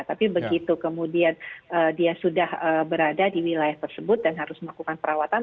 tapi begitu kemudian dia sudah berada di wilayah tersebut dan harus melakukan perawatan